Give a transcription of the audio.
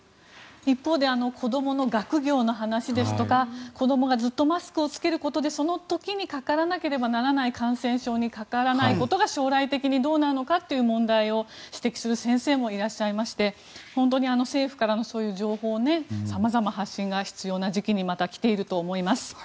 一方で子どもの学業の話ですとか子どもがずっとマスクを着けることでその時にかからなければならない感染症にかからないことが将来的にどうなのかという問題を指摘する先生もいらっしゃいまして本当に政府からのそういう情報様々、発信が必要な時期にまた来ていると思います。